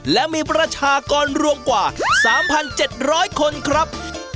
และมีประชากรรวมกว่า๓๗๐๐คนครับ